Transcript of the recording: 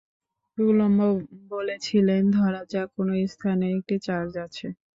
Coulomb বলেছিলেন, ধরা যাক, কোনো স্থানে একটি চার্জ আছে।